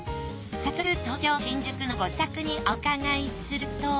早速東京新宿のご自宅にお伺いすると。